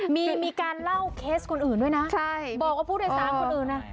มีการเล่าเคสคนอื่นด้วยนะใช่บอกว่าผู้โดยสารคนอื่นนะ